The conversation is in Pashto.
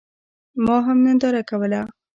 ما هم ننداره کوله.